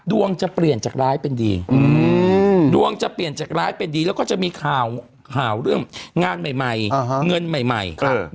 ดวงจะเปลี่ยนจากร้ายเป็นดีแล้วก็จะมีข่าวเรื่องงานใหม่เงินใหม่